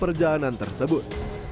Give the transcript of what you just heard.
pemilik jasa perjalanan tersebut